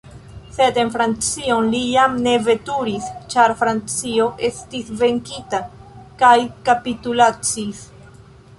Sed en Francion li jam ne veturis, ĉar Francio estis venkita kaj kapitulacis.